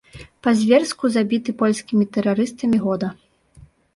Па-зверску забіты польскімі тэрарыстамі года.